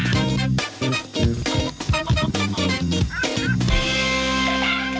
โปรดติดตามตอนต่อไป